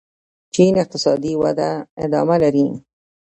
چین اقتصادي وده ادامه لري.